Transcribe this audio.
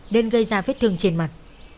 đến gây ra vết thương trên mặt